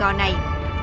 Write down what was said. đoàn cò này